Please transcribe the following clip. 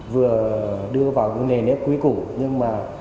vừa đưa vào cái nền nếp quý củ nhưng mà